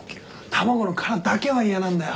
卵の殻だけは嫌なんだよ。